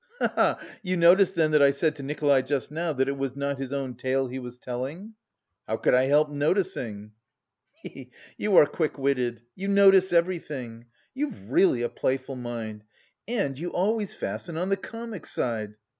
"He he he! You noticed then that I said to Nikolay just now that it was not his own tale he was telling?" "How could I help noticing it!" "He he! You are quick witted. You notice everything! You've really a playful mind! And you always fasten on the comic side...